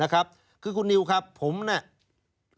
นะครับคือคุณนิวครับผมเนี่ย